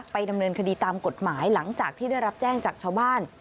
ดำเนินคดีตามกฎหมายหลังจากที่ได้รับแจ้งจากชาวบ้าน